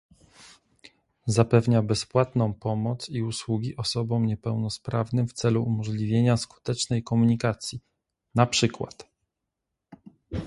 Zapewnia bezpłatną pomoc i usługi osobom niepełnosprawnym w celu umożliwienia skutecznej komunikacji, na przykład: